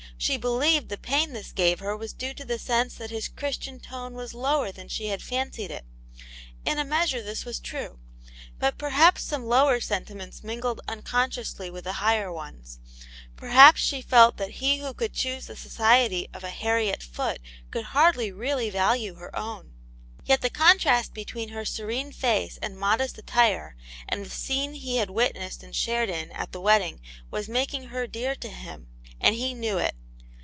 She believed the pain this gave her was due to the sense that his Christian tone was lower than she had fancied it ; in a measure this was true. But perhaps some lower sentiments mingled unconsciously with the higher ones ; perhaps ishe felt that he who could choose the society of a Harriet Foot could hardly really value her own. Yet the contrast between her serene face and modest attire and the scene he had witnessed and shared in at the wedding was making her dear to him, and he knew it.